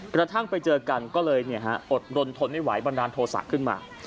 กระทั่งไปเจอกันก็เลยอดรนทนไม่ไหวบันดาลโทษะขึ้นมา